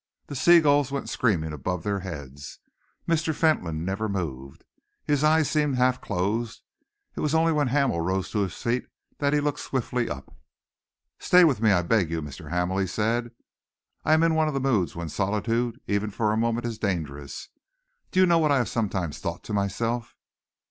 The sea gulls went screaming above their heads. Mr. Fentolin never moved. His eyes seemed half closed. It was only when Hamel rose to his feet that he looked swiftly up. "Stay with me, I beg you, Mr. Hamel," he said. "I am in one of the moods when solitude, even for a moment, is dangerous. Do you know what I have sometimes thought to myself?"